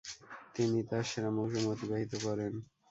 তিনি তার সেরা মৌসুম অতিবাহিত করেন।